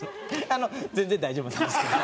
あの全然大丈夫なんですけど。